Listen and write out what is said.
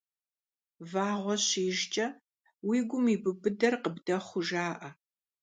Вагъуэ щижкӏэ уи гум ибубыдэр къыбдэхъуу жаӏэр.